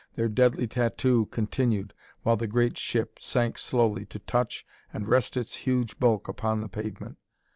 Their deadly tattoo continued while the great ship sank slowly to touch and rest its huge bulk upon the pavement.